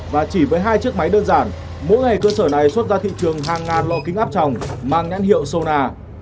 và chỉ với hai chiếc máy đơn giản mỗi ngày cơ sở này xuất ra thị trường hàng ngàn lò kính áp tròng mang nhãn hiệu sona